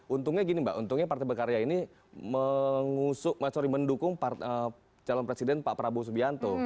untungnya gini mbak untungnya partai berkarya ini mendukung calon presiden pak prabowo subianto